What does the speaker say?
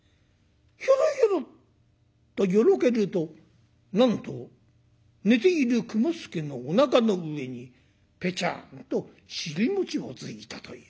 ひょろひょろっとよろけるとなんと寝ている雲助のおなかの上にぺちゃんと尻餅をついたという。